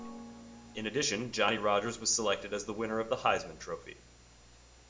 In addition, Johnny Rodgers was selected as the winner of the Heisman Trophy.